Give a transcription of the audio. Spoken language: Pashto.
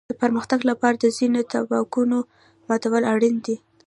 د پرمختګ لپاره د ځینو تابوګانو ماتول اړین دي.